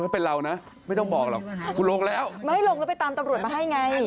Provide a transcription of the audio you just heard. ถ้าเป็นเรานะไม่ต้องบอกหรอกคุณลงแล้วไม่ให้ลงแล้วไปตามตำรวจมาให้ไง